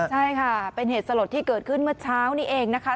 ใช่ค่ะเป็นเหตุสลดที่เกิดขึ้นเมื่อเช้านี้เองนะคะ